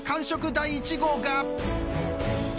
第１号が。